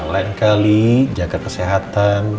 lain kali jaga kesehatan